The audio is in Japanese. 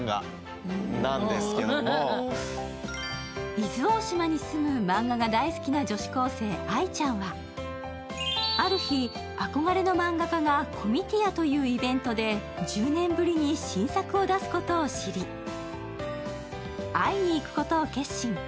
伊豆王島に住むマンガが大好きな女子高生・相ちゃんはある日、憧れの漫画家がコミティアというイベントで１０年ぶりに新作を出すことを知り、会いにいくことを決心。